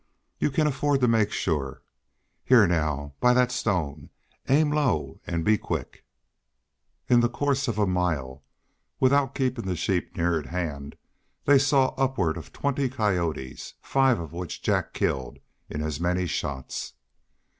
You can afford to make sure. Here now, by that stone aim low and be quick." In the course of a mile, without keeping the sheep near at hand, they saw upward of twenty coyotes, five of which Jack killed in as many shots.